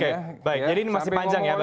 oke baik jadi ini masih panjang ya bang arteria